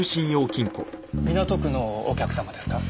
港区のお客様ですか？